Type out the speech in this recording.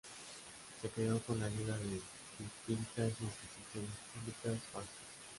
Se creo con la ayuda de distintas instituciones públicas vascas.